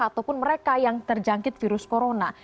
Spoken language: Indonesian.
ataupun mereka yang terjangkit virus corona